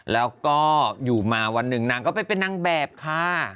แล้วก็อยู่มาวันหนึ่งนางก็ไปเป็นนางแบบค่ะ